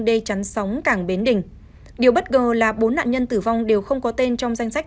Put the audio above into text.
đê chắn sóng cảng bến đình điều bất ngờ là bốn nạn nhân tử vong đều không có tên trong danh sách